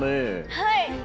はい！